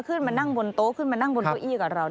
ขึ้นมานั่งบนโต๊ะขึ้นมานั่งบนเก้าอี้กับเรา